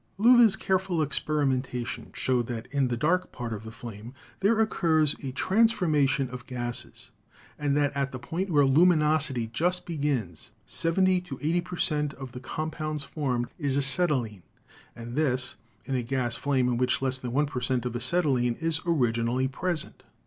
Lewes' careful experimentation showed that in the dark part of the flame there occurs a transforma tion of gases, and that at the point where luminosity just begins seventy to eighty per cent, of the compounds formed is acetylene, and this in a gas flame in which less than one per cent, of acetylene is originally present.